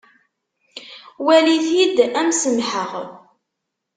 Walit-t-id am semḥeɣ.